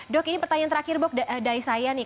dok ini pertanyaan terakhir dok dari saya nih